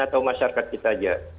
atau masyarakat kita aja